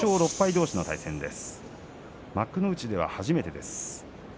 どうしの対戦です。